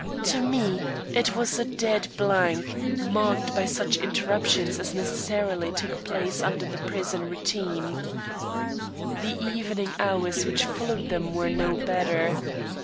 To me it was a dead blank, marked by such interruptions as necessarily took place under the prison routine. The evening hours which followed them were no better.